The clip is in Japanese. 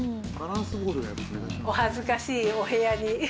お恥ずかしいお部屋に。